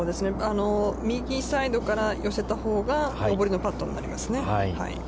右サイドから寄せたほうが上りのパットになりますね。